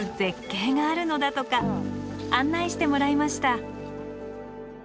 案内してもらいました。